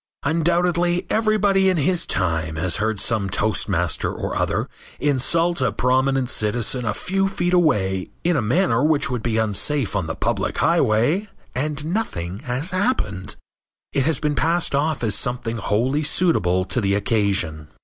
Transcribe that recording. Undoubtedly everybody in his time has heard some toastmaster or other insult a prominent citizen a few feet away in a manner which would be unsafe on the public highway and nothing has happened. It has been passed off as something wholly suitable to the occasion.